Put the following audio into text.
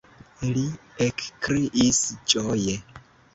li ekkriis ĝoje.